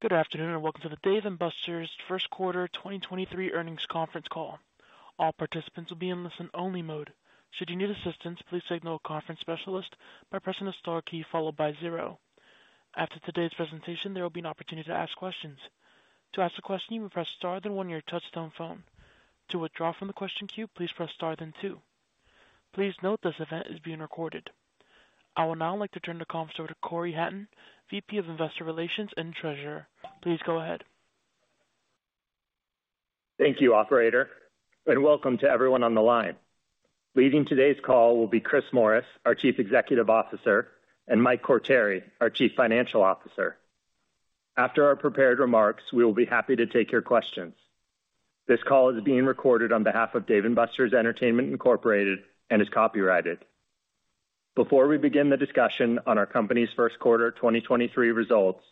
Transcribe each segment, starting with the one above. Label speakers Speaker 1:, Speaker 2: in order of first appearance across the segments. Speaker 1: Good afternoon, and welcome to the Dave & Buster's First Quarter 2023 Earnings Conference Call. All participants will be in listen-only mode. Should you need assistance, please signal a conference specialist by pressing the star key followed by zero. After today's presentation, there will be an opportunity to ask questions. To ask a question, you may press star, then one your touchtone phone. To withdraw from the question queue, please press star then two. Please note, this event is being recorded. I would now like to turn the call over to Cory Hatton, VP of Investor Relations and Treasurer. Please go ahead.
Speaker 2: Thank you, operator. Welcome to everyone on the line. Leading today's call will be Chris Morris, our Chief Executive Officer, and Michael Quartieri, our Chief Financial Officer. After our prepared remarks, we will be happy to take your questions. This call is being recorded on behalf of Dave & Buster's Entertainment, Inc., and is copyrighted. Before we begin the discussion on our company's first quarter 2023 results,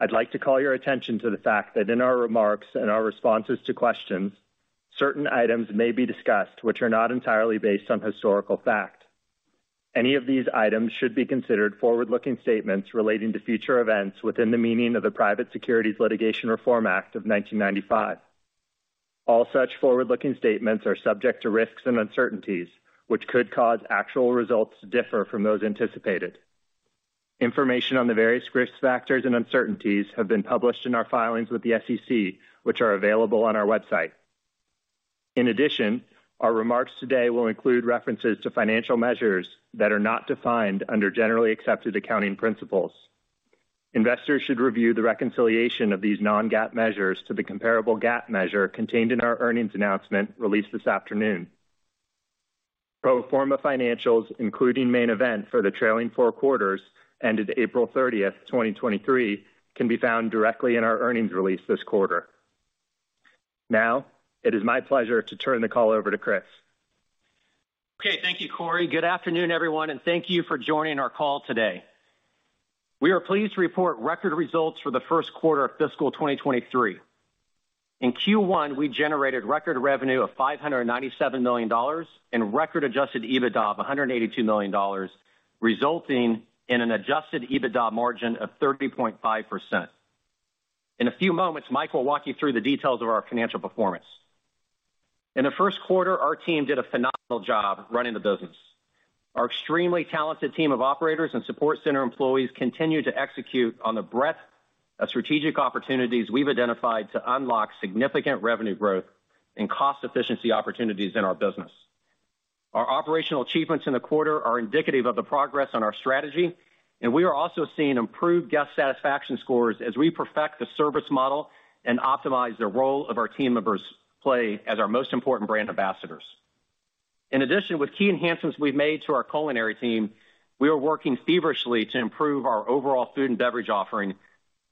Speaker 2: I'd like to call your attention to the fact that in our remarks and our responses to questions, certain items may be discussed which are not entirely based on historical fact. Any of these items should be considered forward-looking statements relating to future events within the meaning of the Private Securities Litigation Reform Act of 1995. All such forward-looking statements are subject to risks and uncertainties, which could cause actual results to differ from those anticipated. Information on the various risk factors and uncertainties have been published in our filings with the SEC, which are available on our website. In addition, our remarks today will include references to financial measures that are not defined under generally accepted accounting principles. Investors should review the reconciliation of these non-GAAP measures to the comparable GAAP measure contained in our earnings announcement released this afternoon. Pro forma financials, including Main Event for the trailing four quarters, ended April 30th, 2023, can be found directly in our earnings release this quarter. Now, it is my pleasure to turn the call over to Chris.
Speaker 3: Okay, thank you, Cory. Good afternoon, everyone, thank you for joining our call today. We are pleased to report record results for the first quarter of fiscal 2023. In Q1, we generated record revenue of $597 million and record Adjusted EBITDA of $182 million, resulting in an Adjusted EBITDA margin of 30.5%. In a few moments, Mike will walk you through the details of our financial performance. In the first quarter, our team did a phenomenal job running the business. Our extremely talented team of operators and support center employees continued to execute on the breadth of strategic opportunities we've identified to unlock significant revenue growth and cost efficiency opportunities in our business. Our operational achievements in the quarter are indicative of the progress on our strategy, and we are also seeing improved guest satisfaction scores as we perfect the service model and optimize the role of our team members play as our most important brand ambassadors. In addition, with key enhancements we've made to our culinary team, we are working feverishly to improve our overall food and beverage offering,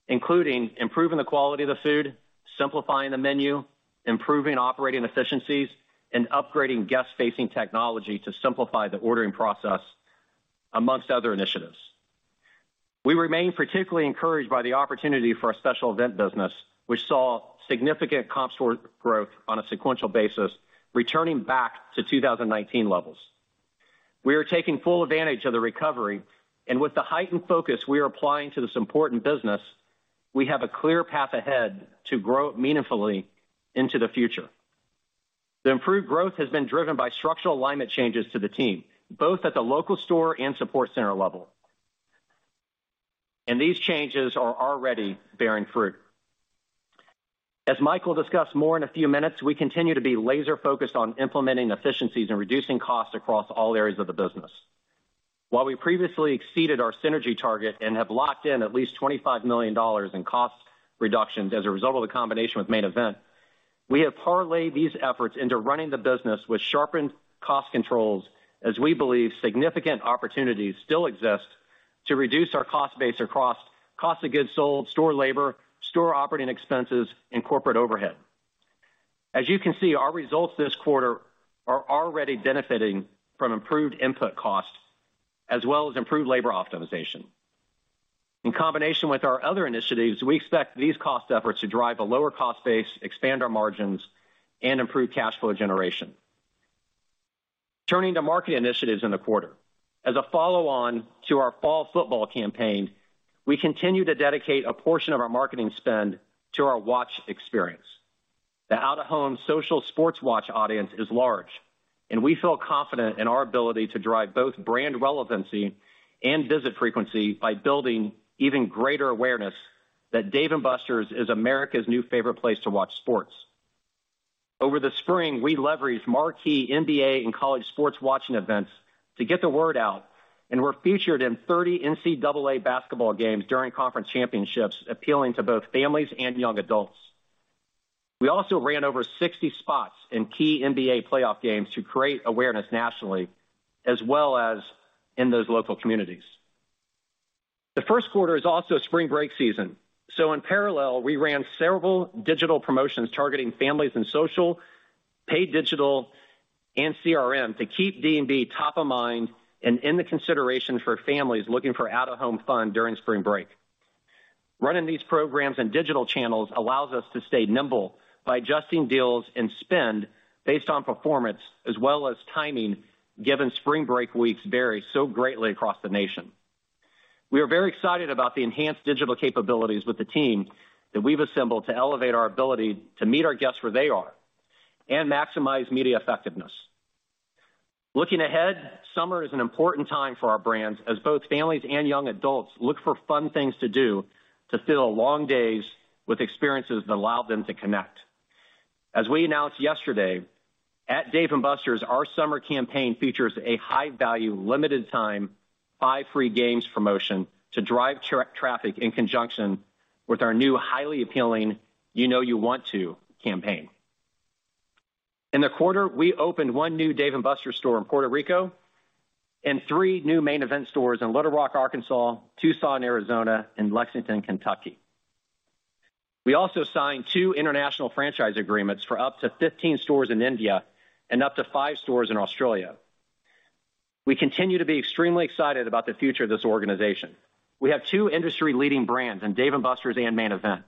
Speaker 3: including improving the quality of the food, simplifying the menu, improving operating efficiencies, and upgrading guest-facing technology to simplify the ordering process, amongst other initiatives. We remain particularly encouraged by the opportunity for our special event business, which saw significant comp store growth on a sequential basis, returning back to 2019 levels. We are taking full advantage of the recovery, and with the heightened focus we are applying to this important business, we have a clear path ahead to grow meaningfully into the future. The improved growth has been driven by structural alignment changes to the team, both at the local store and support center level. These changes are already bearing fruit. As Mike will discuss more in a few minutes, we continue to be laser-focused on implementing efficiencies and reducing costs across all areas of the business. While we previously exceeded our synergy target and have locked in at least $25 million in cost reductions as a result of the combination with Main Event, we have parlayed these efforts into running the business with sharpened cost controls, as we believe significant opportunities still exist to reduce our cost base across cost of goods sold, store labor, store operating expenses, and corporate overhead. As you can see, our results this quarter are already benefiting from improved input costs as well as improved labor optimization. In combination with our other initiatives, we expect these cost efforts to drive a lower cost base, expand our margins, and improve cash flow generation. Turning to market initiatives in the quarter. As a follow-on to our fall football campaign, we continue to dedicate a portion of our marketing spend to our watch experience. The out-of-home social sports watch audience is large, we feel confident in our ability to drive both brand relevancy and visit frequency by building even greater awareness that Dave & Buster's is America's new favorite place to watch sports. Over the spring, we leveraged marquee NBA and college sports watching events to get the word out, we're featured in 30 NCAA basketball games during conference championships, appealing to both families and young adults. We also ran over 60 spots in key NBA playoff games to create awareness nationally, as well as in those local communities. The first quarter is also spring break season. In parallel, we ran several digital promotions targeting families in social, paid digital, and CRM to keep D&B top of mind and in the consideration for families looking for out-of-home fun during spring break. Running these programs in digital channels allows us to stay nimble by adjusting deals and spend based on performance as well as timing, given spring break weeks vary so greatly across the nation. We are very excited about the enhanced digital capabilities with the team that we've assembled to elevate our ability to meet our guests where they are, and maximize media effectiveness. Looking ahead, summer is an important time for our brands, as both families and young adults look for fun things to do to fill long days with experiences that allow them to connect. As we announced yesterday, at Dave & Buster's, our summer campaign features a high-value, limited time, buy free games promotion to drive traffic in conjunction with our new highly appealing, You Know You Want To campaign. In the quarter, we opened one new Dave & Buster's store in Puerto Rico, and three new Main Event stores in Little Rock, Arkansas, Tucson, Arizona, and Lexington, Kentucky. We also signed two international franchise agreements for up to 15 stores in India and up to five stores in Australia. We continue to be extremely excited about the future of this organization. We have two industry-leading brands in Dave & Buster's and Main Event.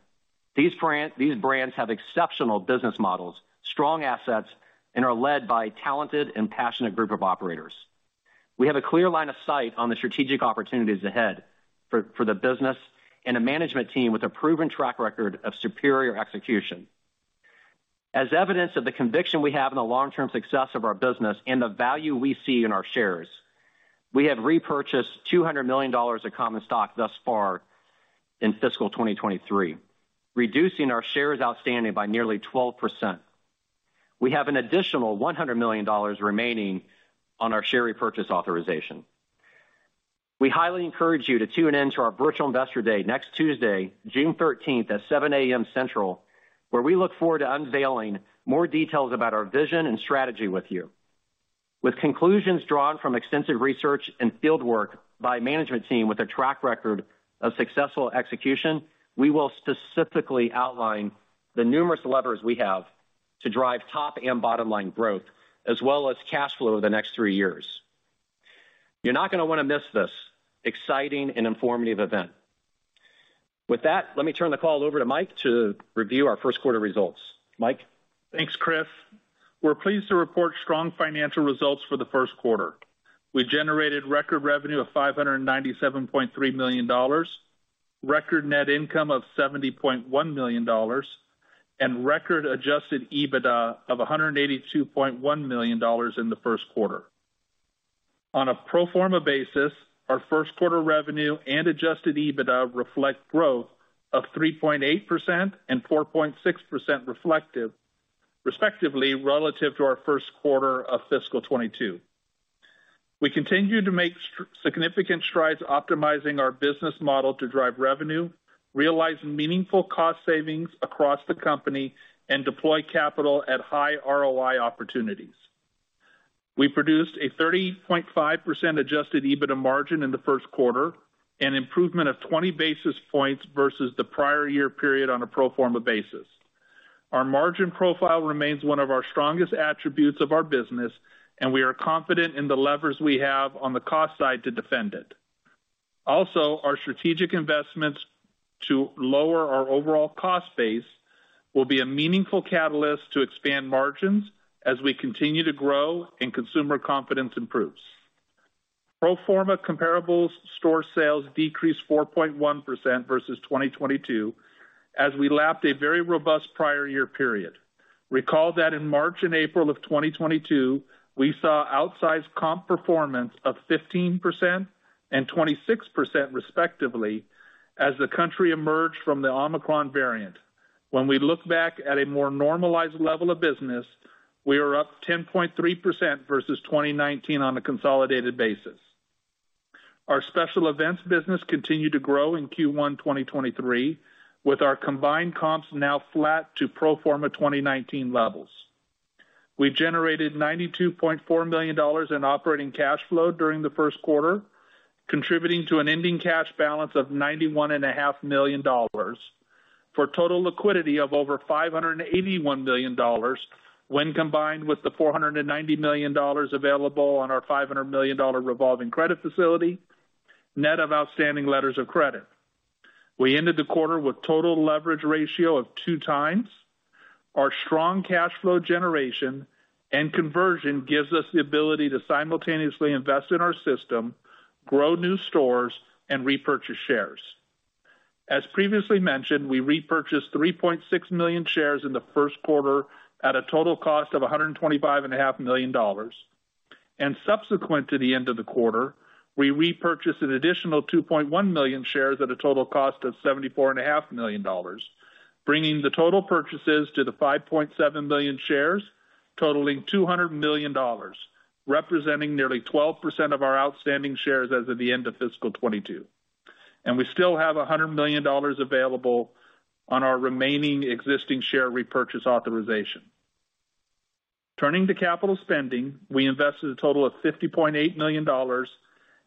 Speaker 3: These brands have exceptional business models, strong assets, and are led by a talented and passionate group of operators. We have a clear line of sight on the strategic opportunities ahead for the business, and a management team with a proven track record of superior execution. As evidence of the conviction we have in the long-term success of our business and the value we see in our shares, we have repurchased $200 million of common stock thus far in fiscal 2023, reducing our shares outstanding by nearly 12%. We have an additional $100 million remaining on our share repurchase authorization. We highly encourage you to tune in to our Virtual Investor Day next Tuesday, June 13th, at 7:00AM. Central, where we look forward to unveiling more details about our vision and strategy with you. With conclusions drawn from extensive research and fieldwork by a management team with a track record of successful execution, we will specifically outline the numerous levers we have to drive top and bottom line growth, as well as cash flow over the next three years. You're not gonna wanna miss this exciting and informative event. Let me turn the call over to Mike to review our first quarter results. Mike?
Speaker 4: Thanks, Chris. We're pleased to report strong financial results for the first quarter. We generated record revenue of $597.3 million, record net income of $70.1 million, and record Adjusted EBITDA of $182.1 million in the first quarter. On a pro forma basis, our first quarter revenue and Adjusted EBITDA reflect growth of 3.8% and 4.6% reflective, respectively, relative to our first quarter of fiscal 2022. We continue to make significant strides optimizing our business model to drive revenue, realize meaningful cost savings across the company, and deploy capital at high ROI opportunities. We produced a 30.5% Adjusted EBITDA margin in the first quarter, an improvement of 20 basis points versus the prior year period on a pro forma basis. Our margin profile remains one of our strongest attributes of our business, and we are confident in the levers we have on the cost side to defend it. Also, our strategic investments to lower our overall cost base will be a meaningful catalyst to expand margins as we continue to grow and consumer confidence improves. Pro forma comparable store sales decreased 4.1% versus 2022, as we lapped a very robust prior year period. Recall that in March and April of 2022, we saw outsized comp performance of 15% and 26%, respectively, as the country emerged from the Omicron variant. When we look back at a more normalized level of business, we are up 10.3% versus 2019 on a consolidated basis. Our special events business continued to grow in Q1 2023, with our combined comps now flat to pro forma 2019 levels. We generated $92.4 million in operating cash flow during the first quarter, contributing to an ending cash balance of ninety-one and a half million dollars, for total liquidity of over $581 million, when combined with the $490 million available on our $500 million revolving credit facility, net of outstanding letters of credit. We ended the quarter with total leverage ratio of two times. Our strong cash flow generation and conversion gives us the ability to simultaneously invest in our system, grow new stores, and repurchase shares. As previously mentioned, we repurchased three point six million shares in the first quarter at a total cost of a hundred and twenty-five and a half million dollars. Subsequent to the end of the quarter, we repurchased an additional two point one million shares at a total cost of $74.5 million dollars, bringing the total purchases to the five point seven million shares, totaling $200 million, representing nearly 12% of our outstanding shares as of the end of fiscal 2022. We still have $100 million available on our remaining existing share repurchase authorization. Turning to capital spending, we invested a total of $50.8 million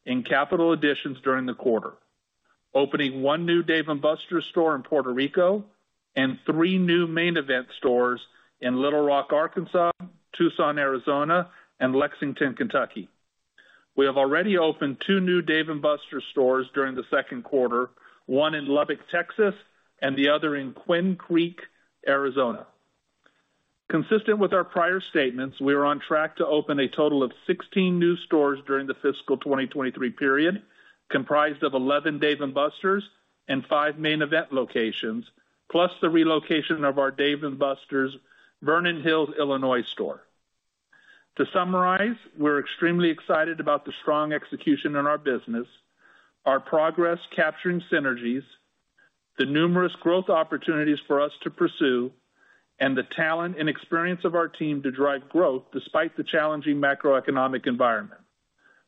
Speaker 4: in capital additions during the quarter, opening one new Dave & Buster's store in Puerto Rico and three new Main Event stores in Little Rock, Arkansas, Tucson, Arizona, and Lexington, Kentucky. We have already opened two new Dave & Buster's stores during the second quarter, one in Lubbock, Texas, and the other in Queen Creek, Arizona. Consistent with our prior statements, we are on track to open a total of 16 new stores during the fiscal 2023 period, comprised of 11 Dave & Buster's and five Main Event locations, plus the relocation of our Dave & Buster's Vernon Hills, Illinois, store. To summarize, we're extremely excited about the strong execution in our business, our progress capturing synergies, the numerous growth opportunities for us to pursue, and the talent and experience of our team to drive growth despite the challenging macroeconomic environment.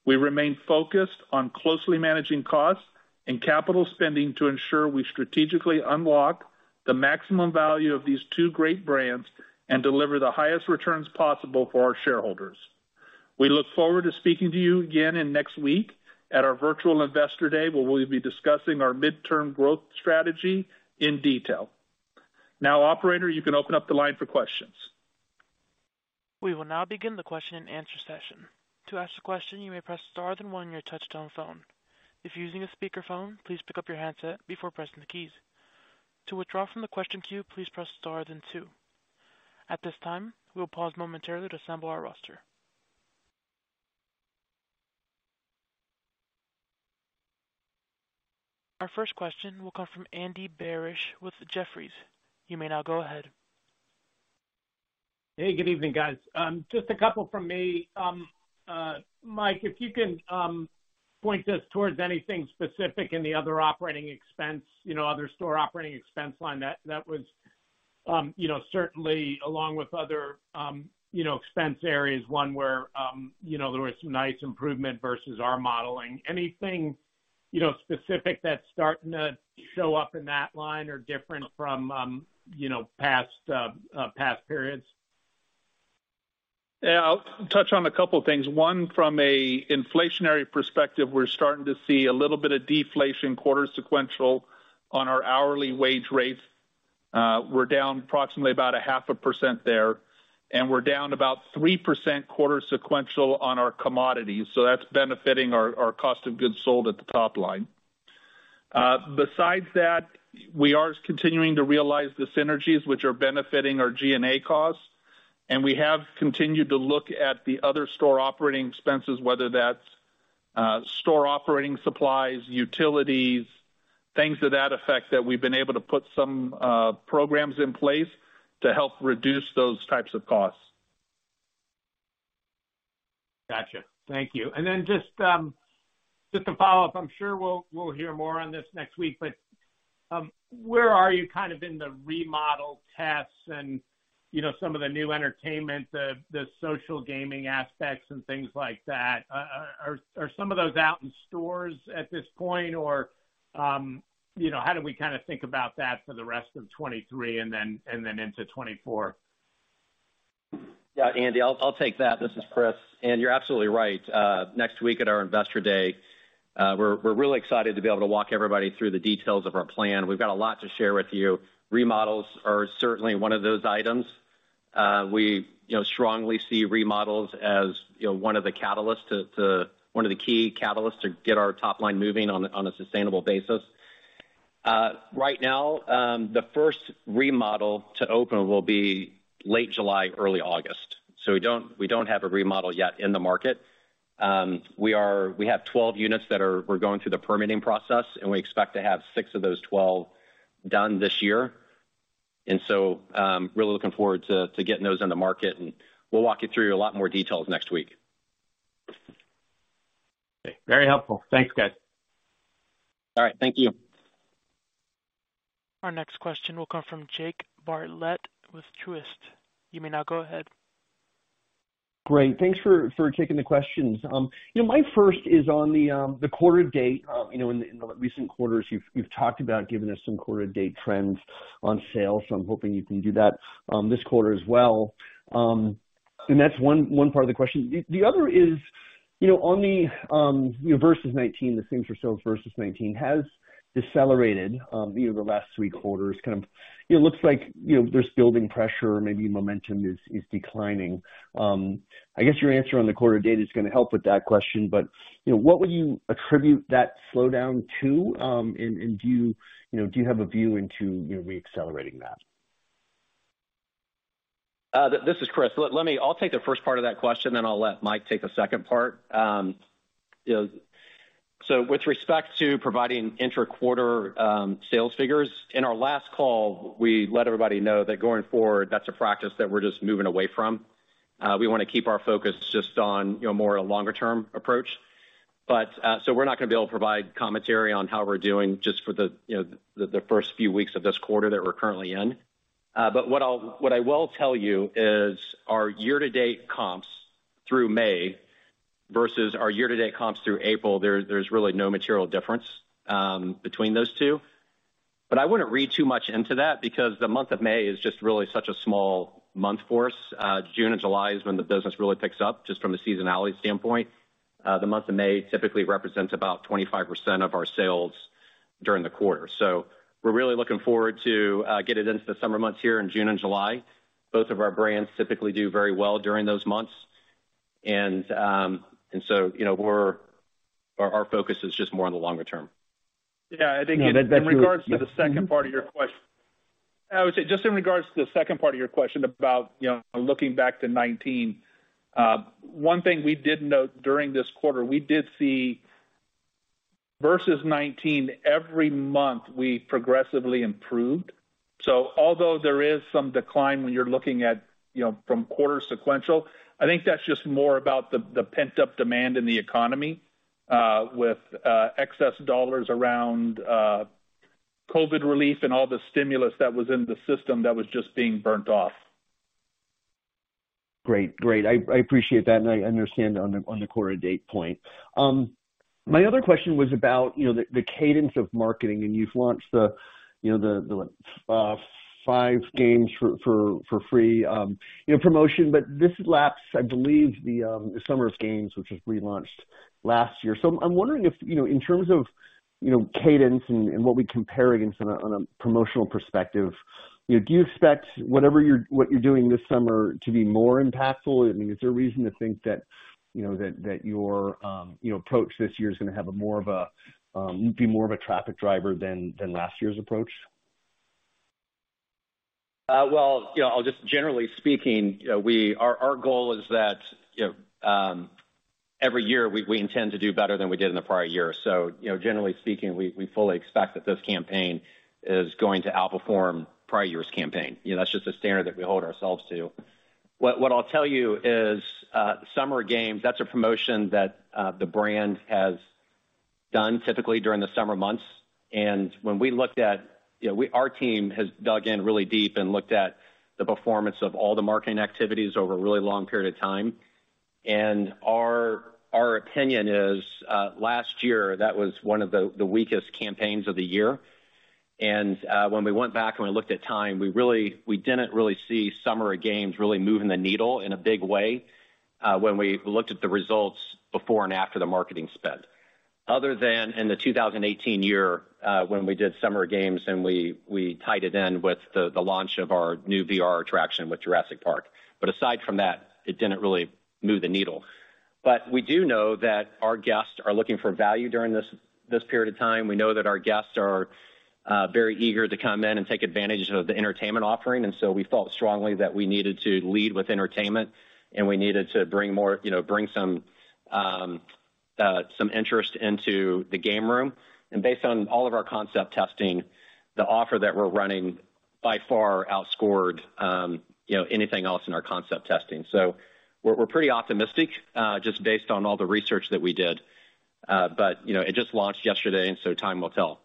Speaker 4: We remain focused on closely managing costs and capital spending to ensure we strategically unlock the maximum value of these two great brands and deliver the highest returns possible for our shareholders. We look forward to speaking to you again in next week at our Virtual Investor Day, where we'll be discussing our midterm growth strategy in detail. Operator, you can open up the line for questions.
Speaker 1: We will now begin the question-and-answer session. To ask a question, you may press star then one on your touch-tone phone. If you're using a speakerphone, please pick up your handset before pressing the keys. To withdraw from the question queue, please press star then two. At this time, we'll pause momentarily to assemble our roster. Our first question will come from Andy Barish with Jefferies. You may now go ahead.
Speaker 5: Hey, good evening, guys. Just a couple from me. Mike, if you can point us towards anything specific in the other operating expense, you know, other store operating expense line that was, you know, certainly along with other, you know, expense areas, one where, you know, there was some nice improvement versus our modeling. Anything, you know, specific that's starting to show up in that line or different from, you know, past periods?
Speaker 4: I'll touch on a couple of things. One, from an inflationary perspective, we're starting to see a little bit of deflation quarter sequential on our hourly wage rates. We're down approximately about 0.5% there, and we're down about 3% quarter sequential on our commodities, so that's benefiting our cost of goods sold at the top line. Besides that, we are continuing to realize the synergies which are benefiting our G&A costs, and we have continued to look at the other store operating expenses, whether that's, store operating supplies, utilities, things to that effect, that we've been able to put some programs in place to help reduce those types of costs.
Speaker 5: Gotcha. Thank you. Then just to follow up, I'm sure we'll hear more on this next week, where are you kind of in the remodel tests and, you know, some of the new entertainment, the social gaming aspects and things like that? Are some of those out in stores at this point, or, you know, how do we kinda think about that for the rest of 23 and then into 24?
Speaker 3: Yeah, Andy, I'll take that. This is Chris. You're absolutely right. Next week at our Investor Day, we're really excited to be able to walk everybody through the details of our plan. We've got a lot to share with you. Remodels are certainly one of those items. We, you know, strongly see remodels as, you know, one of the catalysts to one of the key catalysts to get our top line moving on a sustainable basis. Right now, the first remodel to open will be late July, early August, so we don't have a remodel yet in the market. We have 12 units that we're going through the permitting process, and we expect to have six of those 12 done this year. Really looking forward to getting those on the market, and we'll walk you through a lot more details next week.
Speaker 5: Okay. Very helpful. Thanks, guys.
Speaker 3: All right, thank you.
Speaker 1: Our next question will come from Jake Bartlett with Truist. You may now go ahead.
Speaker 6: Great. Thanks for taking the questions. You know, my first is on the quarter date. You know, in the recent quarters, you've talked about giving us some quarter date trends on sales, so I'm hoping you can do that this quarter as well. That's one part of the question. The other is, you know, on the same for sales versus 2019 has decelerated, you know, the last three quarters. Kind of, you know, looks like, you know, there's building pressure or maybe momentum is declining. I guess your answer on the quarter date is gonna help with that question, you know, what would you attribute that slowdown to? Do you know, do you have a view into, you know, reaccelerating that?
Speaker 3: This is Chris. I'll take the first part of that question, then I'll let Mike take the second part. You know, so with respect to providing interquarter sales figures, in our last call, we let everybody know that going forward, that's a practice that we're just moving away from. We wanna keep our focus just on, you know, more a longer-term approach. We're not gonna be able to provide commentary on how we're doing just for the, you know, the first few weeks of this quarter that we're currently in. What I will tell you is our year-to-date comps through May versus our year-to-date comps through April, there's really no material difference between those two. I wouldn't read too much into that because the month of May is just really such a small month for us. June and July is when the business really picks up, just from a seasonality standpoint. The month of May typically represents about 25% of our sales during the quarter. We're really looking forward to get it into the summer months here in June and July. Both of our brands typically do very well during those months. You know, our focus is just more on the longer term.
Speaker 4: Yeah, I think in regards to the second part of your question. I would say, just in regards to the second part of your question about, you know, looking back to 2019, one thing we did note during this quarter, we did see versus 2019, every month, we progressively improved. Although there is some decline when you're looking at, you know, from quarter sequential, I think that's just more about the pent-up demand in the economy, with excess dollars around COVID relief and all the stimulus that was in the system that was just being burnt off.
Speaker 6: Great. I appreciate that. I understand on the quarter date point. My other question was about, you know, the cadence of marketing. You've launched the, you know, the five games for free, you know, promotion. This laps, I believe, the Summer of Games, which was relaunched last year. I'm wondering if, you know, in terms of, you know, cadence and what we compare against on a promotional perspective, you know, do you expect what you're doing this summer to be more impactful? I mean, is there a reason to think that, you know, that your, you know, approach this year is going to be more of a traffic driver than last year's approach?
Speaker 3: Well, you know, I'll just generally speaking, you know, our goal is that, you know, every year we intend to do better than we did in the prior year. You know, generally speaking, we fully expect that this campaign is going to outperform prior year's campaign. You know, that's just a standard that we hold ourselves to. What I'll tell you is, Summer Games, that's a promotion that the brand has done typically during the summer months. When we looked at, you know, our team has dug in really deep and looked at the performance of all the marketing activities over a really long period of time. Our, our opinion is, last year, that was one of the weakest campaigns of the year. When we went back and we looked at time, we didn't really see Summer Games really moving the needle in a big way, when we looked at the results before and after the marketing spend. Other than in the 2018 year, when we did Summer Games, and we tied it in with the launch of our new VR attraction with Jurassic Park. Aside from that, it didn't really move the needle. We do know that our guests are looking for value during this period of time. We know that our guests are very eager to come in and take advantage of the entertainment offering, and so we felt strongly that we needed to lead with entertainment, and we needed to bring more, you know, bring some interest into the game room. Based on all of our concept testing, the offer that we're running by far outscored, you know, anything else in our concept testing. We're pretty optimistic, just based on all the research that we did. You know, it just launched yesterday, and so time will tell.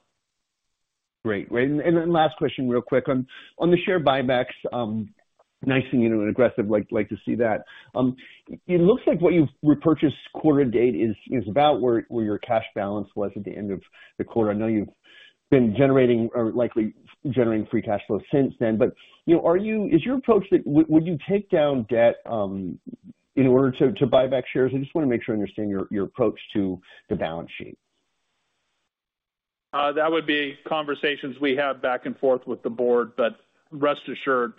Speaker 6: Great. Great. Last question, real quick. On the share buybacks, nice and, you know, aggressive, like to see that. It looks like what you've repurchased quarter to date is about where your cash balance was at the end of the quarter. I know you've been generating or likely generating free cash flow since then, you know, Is your approach that would you take down debt in order to buy back shares? I just want to make sure I understand your approach to the balance sheet.
Speaker 4: That would be conversations we have back and forth with the board, but rest assured,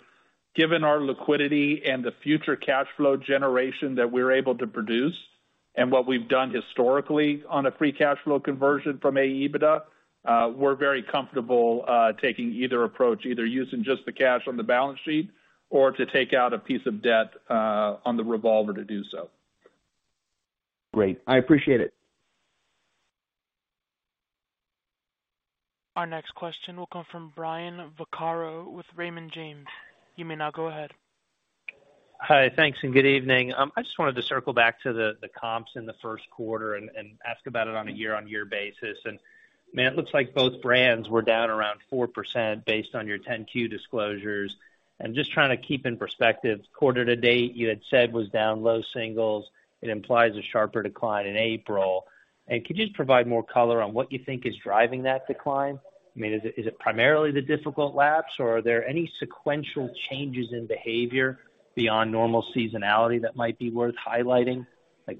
Speaker 4: given our liquidity and the future cash flow generation that we're able to produce and what we've done historically on a free cash flow conversion from AEBITDA, we're very comfortable taking either approach, either using just the cash on the balance sheet or to take out a piece of debt on the revolver to do so.
Speaker 6: Great. I appreciate it.
Speaker 1: Our next question will come from Brian Vaccaro with Raymond James. You may now go ahead.
Speaker 7: Hi, thanks, good evening. I just wanted to circle back to the comps in the first quarter and ask about it on a year-on-year basis. I mean, it looks like both brands were down around 4% based on your 10-Q disclosures. Just trying to keep in perspective, quarter to date, you had said was down low singles. It implies a sharper decline in April. Could you just provide more color on what you think is driving that decline? I mean, is it primarily the difficult laps, or are there any sequential changes in behavior beyond normal seasonality that might be worth highlighting, like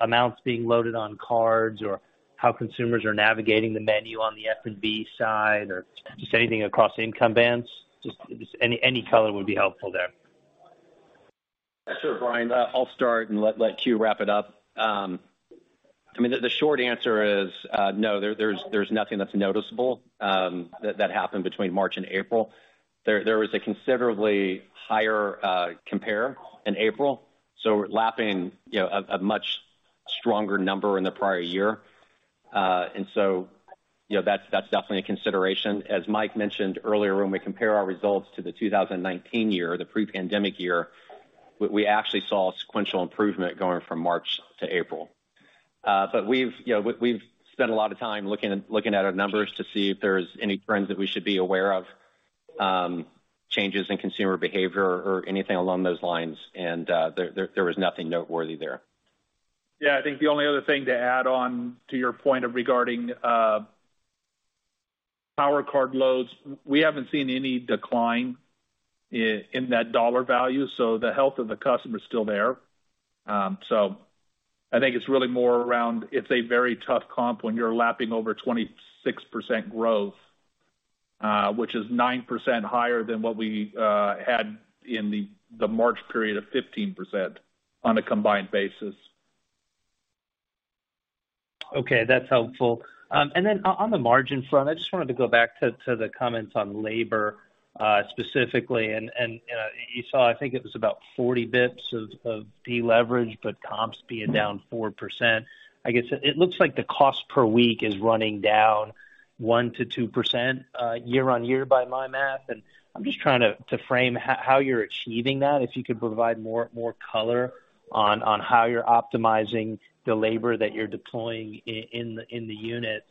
Speaker 7: amounts being loaded on cards, or how consumers are navigating the menu on the F&B side, or just anything across income bands? Just any color would be helpful there.
Speaker 3: Brian, I'll start and let Q wrap it up. I mean, the short answer is no, there's nothing that's noticeable that happened between March and April. There was a considerably higher compare in April, so we're lapping, you know, a much stronger number in the prior year. You know, that's definitely a consideration. As Mike mentioned earlier, when we compare our results to the 2019 year, the pre-pandemic year, we actually saw a sequential improvement going from March to April. But we've, you know, we've spent a lot of time looking at our numbers to see if there's any trends that we should be aware of, changes in consumer behavior or anything along those lines, there was nothing noteworthy there.
Speaker 4: Yeah, I think the only other thing to add on to your point of regarding, Power Card loads, we haven't seen any decline in that dollar value, so the health of the customer is still there. I think it's really more around it's a very tough comp when you're lapping over 26% growth, which is 9% higher than what we had in the March period of 15% on a combined basis.
Speaker 7: Okay, that's helpful. On the margin front, I just wanted to go back to the comments on labor specifically, you saw, I think it was about 40 basis points of deleverage, but comps being down 4%. I guess, it looks like the cost per week is running down 1%-2% year-on-year by my math. I'm just trying to frame how you're achieving that. If you could provide more color on how you're optimizing the labor that you're deploying in the units.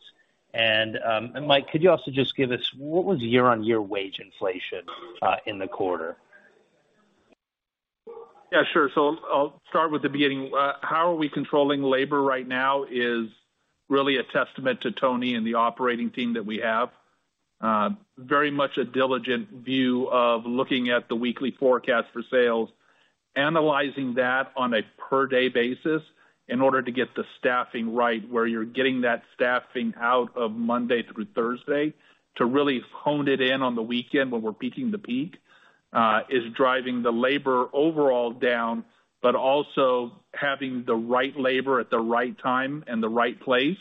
Speaker 7: Mike, could you also just give us what was year-on-year wage inflation in the quarter?
Speaker 4: Yeah, sure. I'll start with the beginning. How are we controlling labor right now is really a testament to Tony and the operating team that we have. Very much a diligent view of looking at the weekly forecast for sales, analyzing that on a per-day basis in order to get the staffing right, where you're getting that staffing out of Monday through Thursday to really hone it in on the weekend when we're peaking the peak, is driving the labor overall down, but also having the right labor at the right time and the right place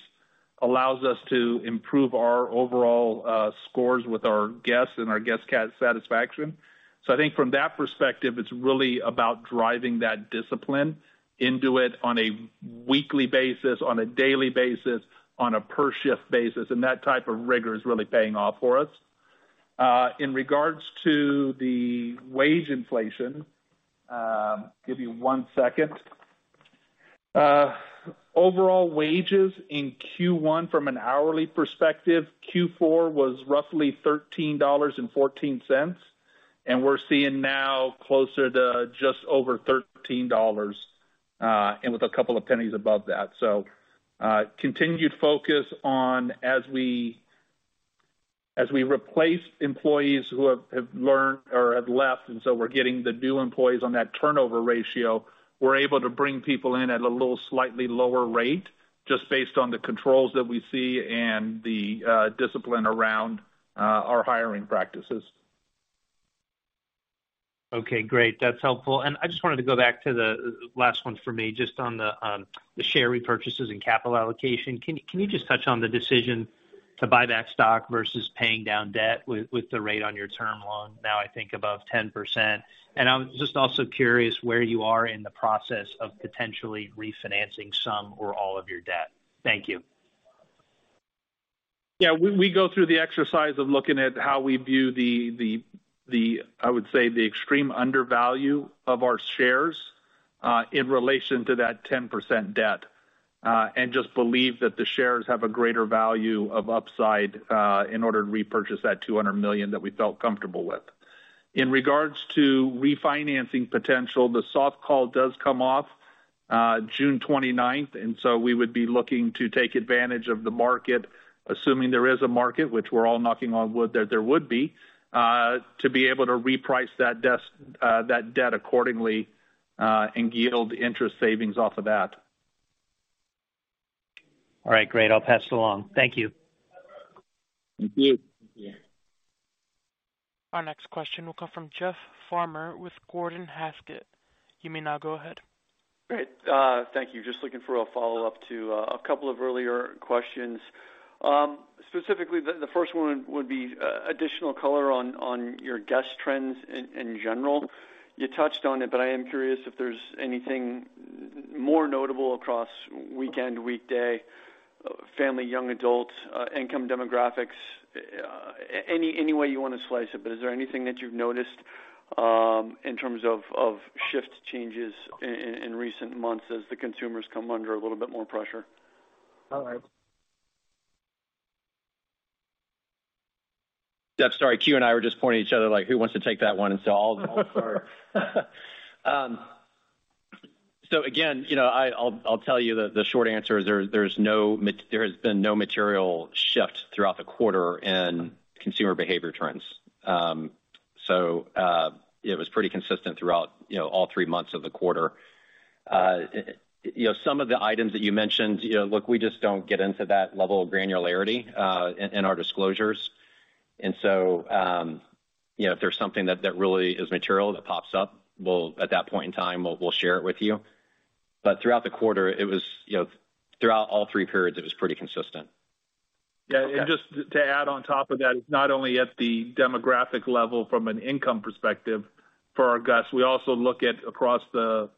Speaker 4: allows us to improve our overall scores with our guests and our guest satisfaction. I think from that perspective, it's really about driving that discipline into it on a weekly basis, on a daily basis, on a per shift basis, and that type of rigor is really paying off for us. In regards to the wage inflation, give you one second. Overall wages in Q1 from an hourly perspective, Q4 was roughly $13.14, and we're seeing now closer to just over $13, and with a couple of pennies above that. Continued focus on as we replace employees who have learned or have left, and so we're getting the new employees on that turnover ratio, we're able to bring people in at a little slightly lower rate, just based on the controls that we see and the discipline around our hiring practices.
Speaker 7: Okay, great. That's helpful. I just wanted to go back to the last one for me, just on the share repurchases and capital allocation. Can you just touch on the decision to buy back stock versus paying down debt with the rate on your term loan now, I think, above 10%? I'm just also curious where you are in the process of potentially refinancing some or all of your debt. Thank you.
Speaker 4: Yeah, we go through the exercise of looking at how we view the, I would say, the extreme undervalue of our shares in relation to that 10% debt, and just believe that the shares have a greater value of upside in order to repurchase that $200 million that we felt comfortable with. In regards to refinancing potential, the soft call does come off, June 29th, and so we would be looking to take advantage of the market, assuming there is a market, which we're all knocking on wood, that there would be, to be able to reprice that debt accordingly, and yield interest savings off of that.
Speaker 7: All right, great. I'll pass it along. Thank you.
Speaker 4: Thank you.
Speaker 1: Our next question will come from Jeff Farmer with Gordon Haskett. You may now go ahead.
Speaker 8: Great, thank you. Just looking for a follow-up to a couple of earlier questions. Specifically, the first one would be additional color on your guest trends in general. You touched on it, but I am curious if there's anything more notable across weekend, weekday, family, young adults, income demographics, any way you want to slice it. Is there anything that you've noticed in terms of shift changes in recent months as the consumers come under a little bit more pressure?
Speaker 4: All right.
Speaker 3: Jeff, sorry, Q and I were just pointing at each other, like, who wants to take that one? I'll start. Again, you know, I'll tell you the short answer is there's no material shift throughout the quarter in consumer behavior trends. It was pretty consistent throughout, you know, all three months of the quarter. You know, some of the items that you mentioned, you know, look, we just don't get into that level of granularity in our disclosures. You know, if there's something that really is material that pops up, at that point in time, we'll share it with you. Throughout the quarter, it was, you know, throughout all three periods, it was pretty consistent.
Speaker 4: Just to add on top of that, it's not only at the demographic level from an income perspective for our guests, we also look at across the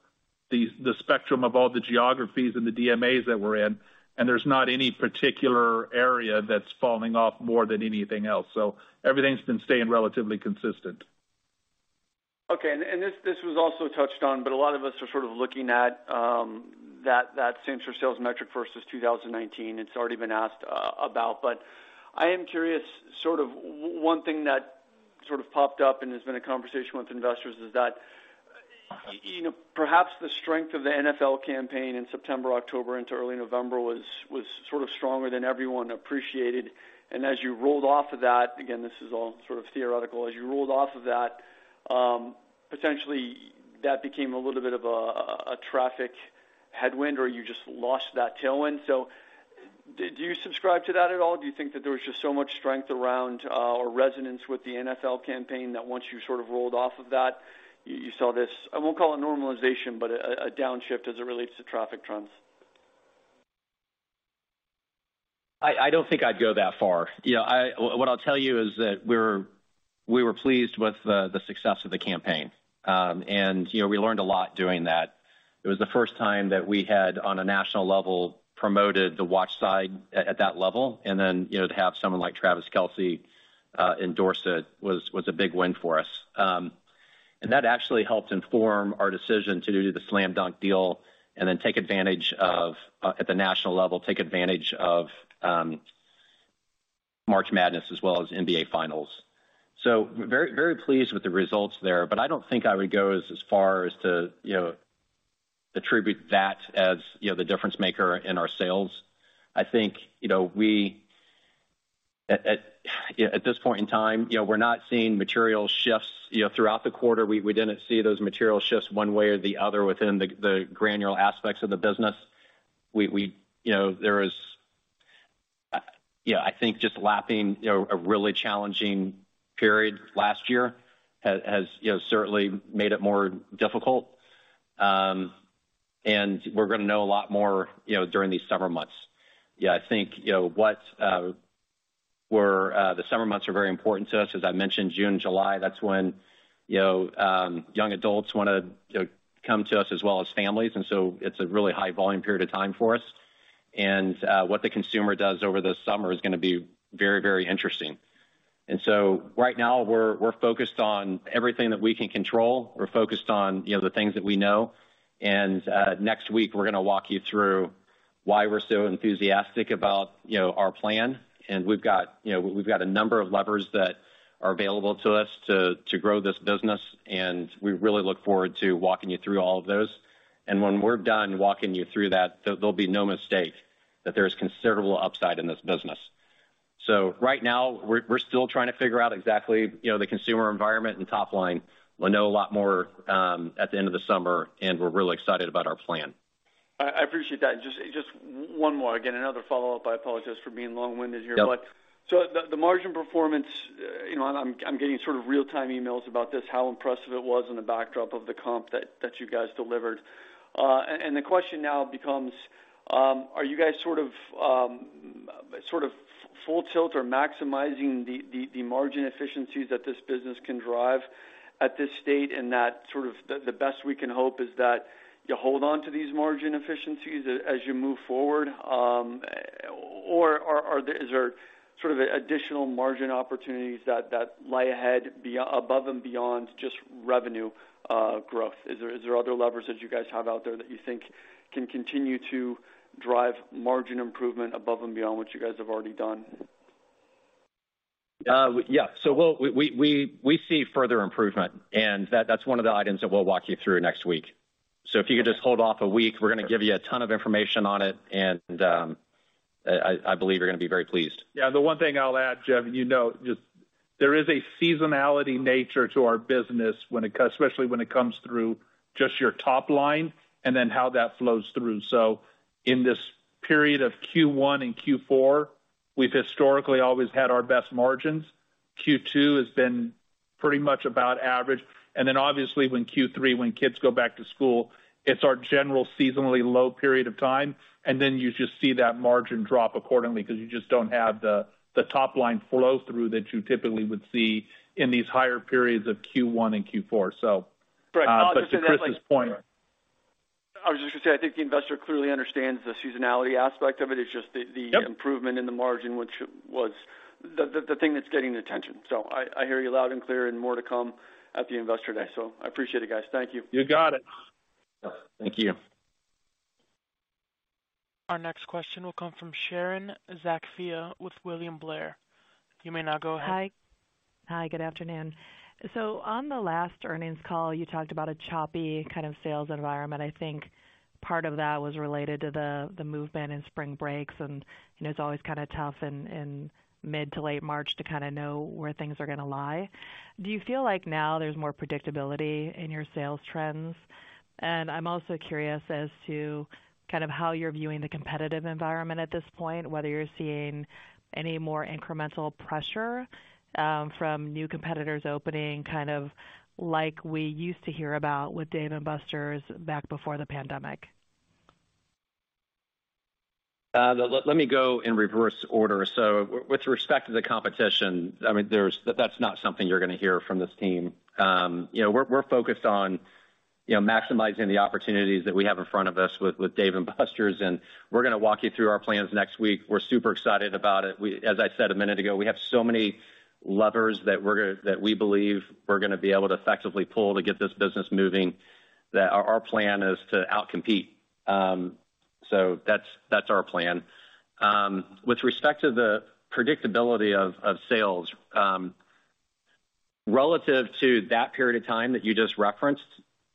Speaker 4: spectrum of all the geographies and the DMAs that we're in, and there's not any particular area that's falling off more than anything else. Everything's been staying relatively consistent.
Speaker 8: This was also touched on, but a lot of us are sort of looking at that same store sales metric versus 2019. It's already been asked about, but I am curious, sort of one thing that sort of popped up and has been a conversation with investors is that, you know, perhaps the strength of the NFL campaign in September, October, into early November was sort of stronger than everyone appreciated. As you rolled off of that, again, this is all sort of theoretical, as you rolled off of that, potentially, that became a little bit of a traffic headwind or you just lost that tailwind. Did you subscribe to that at all? Do you think that there was just so much strength around, or resonance with the NFL campaign, that once you sort of rolled off of that, you saw this, I won't call it normalization, but a downshift as it relates to traffic trends?
Speaker 3: I don't think I'd go that far. You know, what I'll tell you is that we were pleased with the success of the campaign. You know, we learned a lot doing that. It was the first time that we had, on a national level, promoted the watch side at that level, and then, you know, to have someone like Travis Kelce endorse it was a big win for us. That actually helped inform our decision to do the Slam Dunk Deal and then take advantage of, at the national level, take advantage of March Madness as well as NBA Finals. Very pleased with the results there, I don't think I would go as far as to, you know, attribute that as, you know, the difference maker in our sales. I think, you know, we, at this point in time, you know, we're not seeing material shifts. You know, throughout the quarter, we didn't see those material shifts one way or the other within the granular aspects of the business. You know, there is, I think just lapping, you know, a really challenging period last year has, you know, certainly made it more difficult. We're gonna know a lot more, you know, during these summer months. I think, you know, what the summer months are very important to us. As I mentioned, June, July, that's when, you know, young adults want to, you know, come to us as well as families, it's a really high volume period of time for us. What the consumer does over the summer is gonna be very, very interesting. Right now, we're focused on everything that we can control. We're focused on, you know, the things that we know. Next week, we're gonna walk you through why we're so enthusiastic about, you know, our plan. We've got, you know, a number of levers that are available to us to grow this business, and we really look forward to walking you through all of those. When we're done walking you through that, there'll be no mistake that there is considerable upside in this business. Right now, we're still trying to figure out exactly, you know, the consumer environment and top line. We'll know a lot more at the end of the summer, and we're really excited about our plan.
Speaker 8: I appreciate that. Just one more. Again, another follow-up. I apologize for being long-winded here.
Speaker 3: Yep.
Speaker 8: The margin performance, you know, and I'm getting sort of real-time emails about this, how impressive it was in the backdrop of the comp that you guys delivered. The question now becomes, are you guys sort of full tilt or maximizing the margin efficiencies that this business can drive at this state? That sort of the best we can hope is that you hold on to these margin efficiencies as you move forward, or is there sort of additional margin opportunities that lie ahead above and beyond just revenue growth? Is there other levers that you guys have out there that you think can continue to drive margin improvement above and beyond what you guys have already done?
Speaker 3: Yeah. We'll see further improvement, and that's one of the items that we'll walk you through next week. If you could just hold off a week, we're gonna give you a ton of information on it, and I believe you're gonna be very pleased.
Speaker 4: The one thing I'll add, Jeff, you know, just there is a seasonality nature to our business when it especially when it comes through just your top line and then how that flows through. In this period of Q1 and Q4, we've historically always had our best margins. Q2 has been pretty much about average, obviously when Q3, when kids go back to school, it's our general seasonally low period of time, and then you just see that margin drop accordingly because you just don't have the top line flow through that you typically would see in these higher periods of Q1 and Q4.
Speaker 8: Right.
Speaker 4: to Chris's point.
Speaker 8: I was just gonna say, I think the investor clearly understands the seasonality aspect of it. It's just the...
Speaker 4: Yep...
Speaker 8: the improvement in the margin, which was the thing that's getting the attention. I hear you loud and clear and more to come at the Investor Day. I appreciate it, guys. Thank you.
Speaker 4: You got it.
Speaker 3: Yeah. Thank you.
Speaker 1: Our next question will come from Sharon Zackfia with William Blair. You may now go ahead.
Speaker 9: Hi. Good afternoon. On the last earnings call, you talked about a choppy kind of sales environment. I think part of that was related to the movement in spring breaks, and, you know, it's always kind of tough in mid to late March to kind of know where things are gonna lie. Do you feel like now there's more predictability in your sales trends? I'm also curious as to kind of how you're viewing the competitive environment at this point, whether you're seeing any more incremental pressure from new competitors opening, kind of like we used to hear about with Dave & Buster's back before the pandemic.
Speaker 3: Let me go in reverse order. With respect to the competition, I mean, that's not something you're gonna hear from this team. You know, we're focused on, you know, maximizing the opportunities that we have in front of us with Dave & Buster's, we're gonna walk you through our plans next week. We're super excited about it. As I said a minute ago, we have so many levers that we believe we're gonna be able to effectively pull to get this business moving, that our plan is to outcompete. That's our plan. With respect to the predictability of sales, relative to that period of time that you just referenced,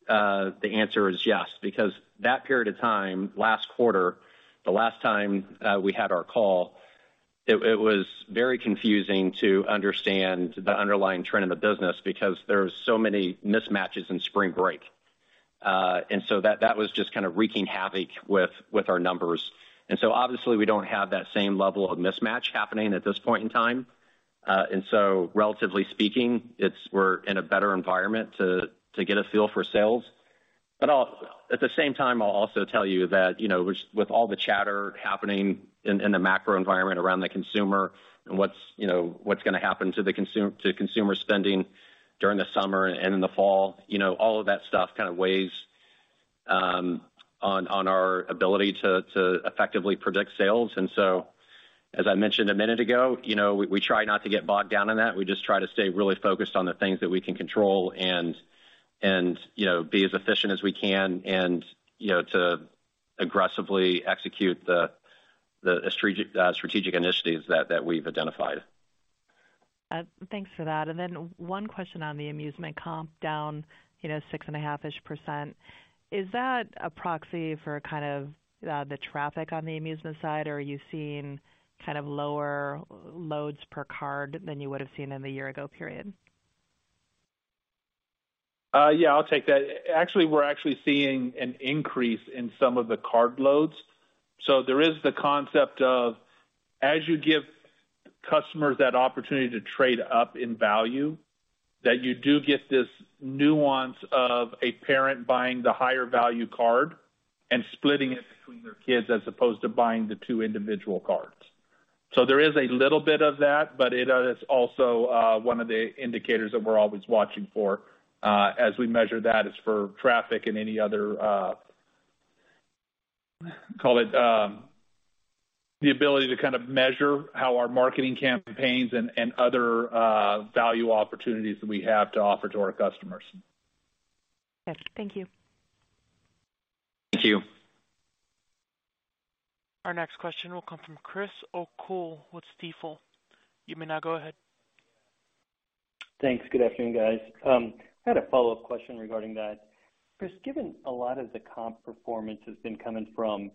Speaker 3: the answer is yes, because that period of time, last quarter, the last time, we had our call. it was very confusing to understand the underlying trend of the business because there was so many mismatches in spring break. So that was just kind of wreaking havoc with our numbers. Obviously, we don't have that same level of mismatch happening at this point in time. So relatively speaking, we're in a better environment to get a feel for sales. At the same time, I'll also tell you that, you know, with all the chatter happening in the macro environment around the consumer and what's, you know, what's gonna happen to consumer spending during the summer and in the fall, you know, all of that stuff kind of weighs on our ability to effectively predict sales. As I mentioned a minute ago, you know, we try not to get bogged down in that. We just try to stay really focused on the things that we can control and, you know, be as efficient as we can and, you know, to aggressively execute the strategic initiatives that we've identified.
Speaker 9: Thanks for that. One question on the amusement comp down, you know, 6.5%-ish. Is that a proxy for kind of, the traffic on the amusement side, or are you seeing kind of lower loads per card than you would have seen in the year-ago period?
Speaker 4: Yeah, I'll take that. Actually, we're actually seeing an increase in some of the card loads. There is the concept of, as you give customers that opportunity to trade up in value, that you do get this nuance of a parent buying the higher value card and splitting it between their kids, as opposed to buying the two individual cards. There is a little bit of that, but it is also one of the indicators that we're always watching for, as we measure that, is for traffic and any other, call it, the ability to kind of measure how our marketing campaigns and other value opportunities that we have to offer to our customers.
Speaker 9: Okay. Thank you.
Speaker 3: Thank you.
Speaker 1: Our next question will come from Chris O'Cull with Stifel. You may now go ahead.
Speaker 10: Thanks. Good afternoon, guys. I had a follow-up question regarding that. Chris, given a lot of the comp performance has been coming from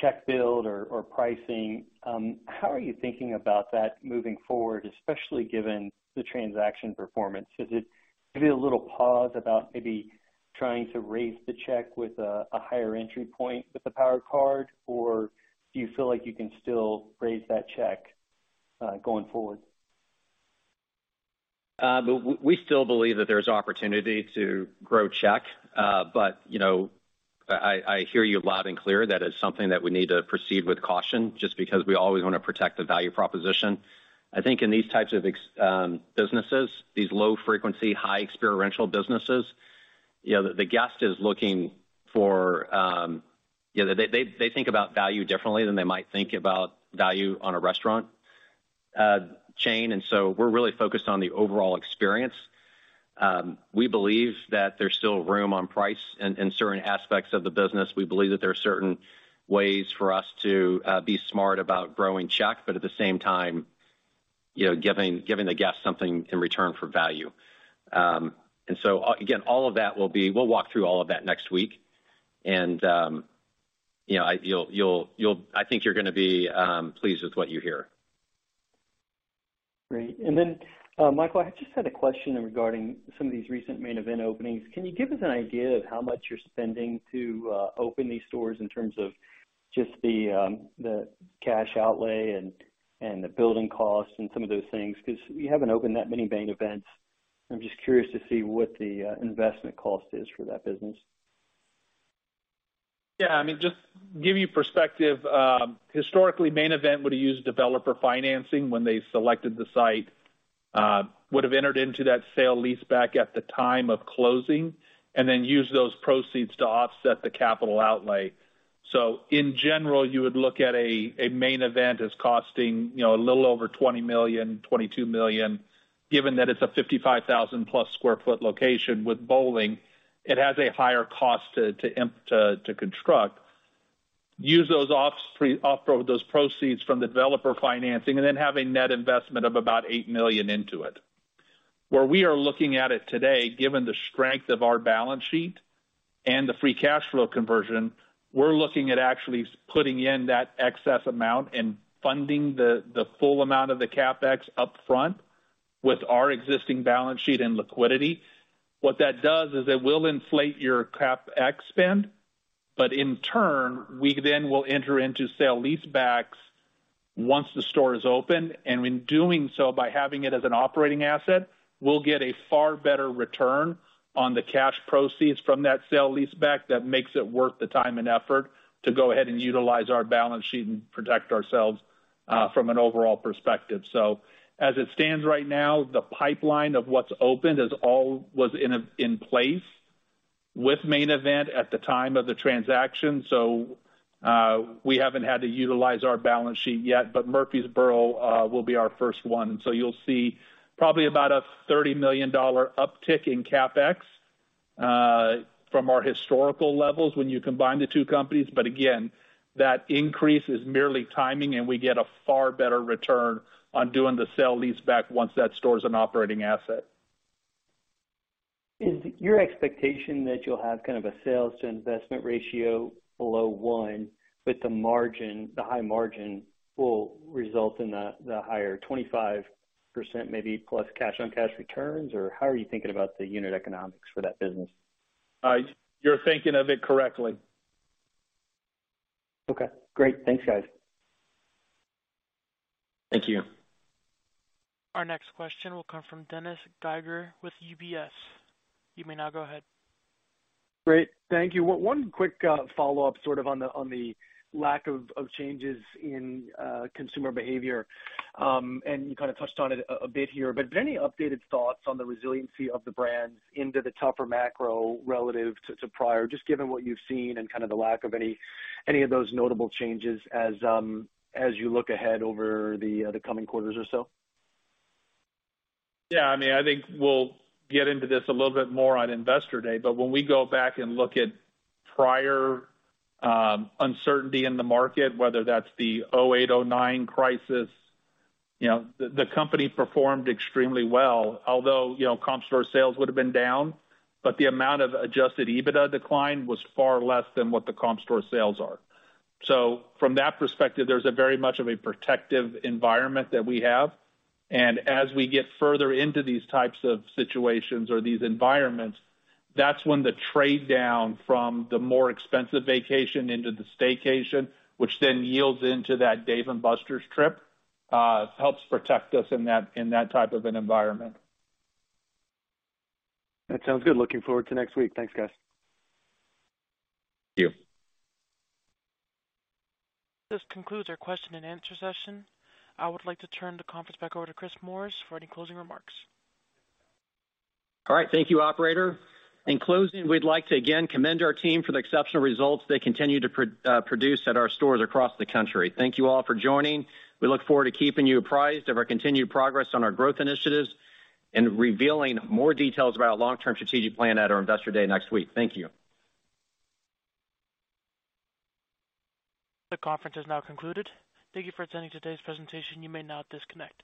Speaker 10: check build or pricing, how are you thinking about that moving forward, especially given the transaction performance? Is it maybe a little pause about maybe trying to raise the check with a higher entry point with the Power Card, or do you feel like you can still raise that check going forward?
Speaker 3: We still believe that there's opportunity to grow check. You know, I hear you loud and clear that it's something that we need to proceed with caution, just because we always want to protect the value proposition. I think in these types of businesses, these low frequency, high experiential businesses, you know, the guest is looking for... You know, they think about value differently than they might think about value on a restaurant chain, we're really focused on the overall experience. We believe that there's still room on price in certain aspects of the business. We believe that there are certain ways for us to be smart about growing check, but at the same time, you know, giving the guest something in return for value. Again, all of that we'll walk through all of that next week. You know, you'll I think you're gonna be pleased with what you hear.
Speaker 10: Great. Michael, I just had a question regarding some of these recent Main Event openings. Can you give us an idea of how much you're spending to open these stores in terms of just the cash outlay and the building costs and some of those things? Because you haven't opened that many Main Events. I'm just curious to see what the investment cost is for that business.
Speaker 4: I mean, just give you perspective, historically, Main Event would use developer financing when they selected the site, would have entered into that sale-leaseback at the time of closing, and then use those proceeds to offset the capital outlay. In general, you would look at a Main Event as costing, you know, a little over $20 million-$22 million. Given that it's a 55,000+ sq ft location with bowling, it has a higher cost to construct, use those offload those proceeds from the developer financing, and then have a net investment of about $8 million into it. Where we are looking at it today, given the strength of our balance sheet and the free cash flow conversion, we're looking at actually putting in that excess amount and funding the full amount of the CapEx upfront with our existing balance sheet and liquidity. What that does is it will inflate your CapEx spend, but in turn, we then will enter into sale-leasebacks once the store is open. In doing so, by having it as an operating asset, we'll get a far better return on the cash proceeds from that sale-leaseback. That makes it worth the time and effort to go ahead and utilize our balance sheet and protect ourselves from an overall perspective. As it stands right now, the pipeline of what's opened was in place with Main Event at the time of the transaction, we haven't had to utilize our balance sheet yet, Murfreesboro will be our first one. You'll see probably about a $30 million uptick in CapEx from our historical levels when you combine the two companies. Again, that increase is merely timing, and we get a far better return on doing the sale-leaseback once that store is an operating asset.
Speaker 10: Is your expectation that you'll have kind of a sales to investment ratio below one, but the margin, the high margin, will result in the higher 25% maybe, plus cash-on-cash returns? How are you thinking about the unit economics for that business?
Speaker 4: You're thinking of it correctly.
Speaker 10: Okay, great. Thanks, guys.
Speaker 3: Thank you.
Speaker 1: Our next question will come from Dennis Geiger with UBS. You may now go ahead.
Speaker 11: Great. Thank you. One quick follow-up sort of on the lack of changes in consumer behavior. You kind of touched on it a bit here, but any updated thoughts on the resiliency of the brand into the tougher macro relative to prior, just given what you've seen and kind of the lack of any of those notable changes as you look ahead over the coming quarters or so?
Speaker 4: I mean, I think we'll get into this a little bit more on Investor Day, when we go back and look at prior uncertainty in the market, whether that's the 2008-2009 crisis, you know, the company performed extremely well, although, you know, comparable store sales would have been down, but the amount of Adjusted EBITDA decline was far less than what the comparable store sales are. From that perspective, there's a very much of a protective environment that we have, and as we get further into these types of situations or these environments, that's when the trade down from the more expensive vacation into the staycation, which then yields into that Dave & Buster's trip, helps protect us in that, in that type of an environment.
Speaker 11: That sounds good. Looking forward to next week. Thanks, guys.
Speaker 3: Thank you.
Speaker 1: This concludes our question-and-answer session. I would like to turn the conference back over to Chris Morris for any closing remarks.
Speaker 3: All right. Thank you, operator. In closing, we'd like to again commend our team for the exceptional results they continue to produce at our stores across the country. Thank you all for joining. We look forward to keeping you apprised of our continued progress on our growth initiatives and revealing more details about our long-term strategic plan at our Investor Day next week. Thank you.
Speaker 1: The conference is now concluded. Thank You for attending today's presentation. You may now disconnect.